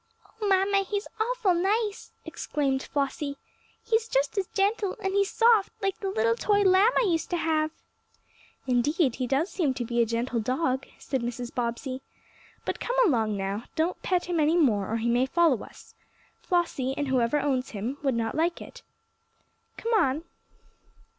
"Oh, mamma, he's awful nice!" exclaimed Flossie. "He's just as gentle, and he's soft, like the little toy lamb I used to have." "Indeed he does seem to be a gentle dog," said Mrs. Bobbsey. "But come along now. Don't pet him any more, or he may follow us. Flossie, and whoever owns him would not like it. Come on."